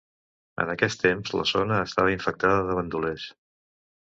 En aquest temps la zona estava infectada de bandolers.